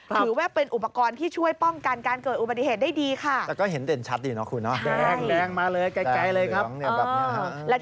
ถือว่าเป็นอุปกรณ์ที่ช่วยป้องกันการเกิดอุบัติเหตุได้ดีค่ะ